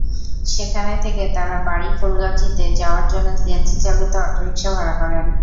সেখান থেকে তাঁর বাড়ি ফুলগাজীতে যাওয়ার জন্য সিএনজিচালিত অটোরিকশা ভাড়া করেন।